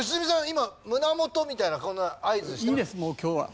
今「胸元」みたいなこんな合図した？